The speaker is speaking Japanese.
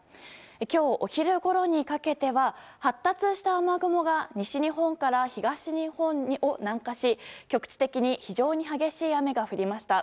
今日お昼ごろにかけては発達した雨雲が西日本から東日本を南下し局地的に非常に激しい雨が降りました。